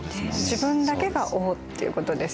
自分だけが王っていうことですよね。